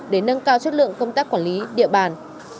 để nâng cao chất lượng công tác quản lý địa bàn